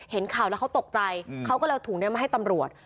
เห็นข่าวแล้วเขาตกใจเขาก็เลยเอาถุงนี้มาให้ตำรวจ